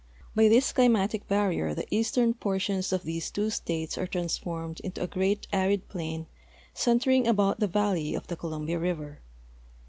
B}'' this climatic barrier the eastern portions of these two states are transformed into a great arid plain centering about the valley of the Columbia river.